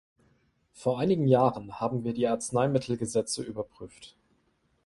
Vor einigen Jahren haben wir die Arzneimittelgesetze überprüft.